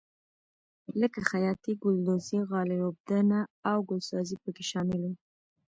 لکه خیاطي ګلدوزي غالۍ اوبدنه او ګلسازي پکې شامل دي.